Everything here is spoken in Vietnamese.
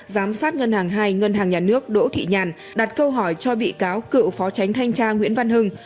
giám sát ngân hàng hai ngân hàng nhà nước đỗ thị nhàn đặt câu hỏi cho bị cáo cựu phó tránh thanh tra nguyễn văn hưng